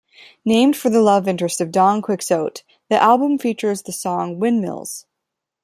Named for the love interest of Don Quixote, the album features the song Windmills.